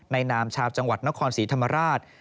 นามชาวจังหวัดนครศรีธรรมราช